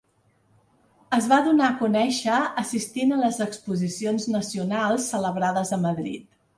Es va donar a conèixer assistint a les Exposicions Nacionals celebrades a Madrid.